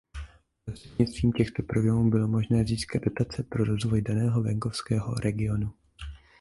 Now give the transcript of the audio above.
Prostřednictvím těchto programů bylo možné získat dotace pro rozvoj daného venkovského regionu.